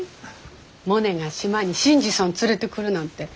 モネが島に新次さん連れてくるなんて。